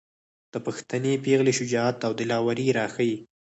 د پښتنې پېغلې شجاعت او دلاوري راښايي.